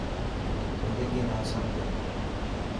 زندگي نا آسان ڪر.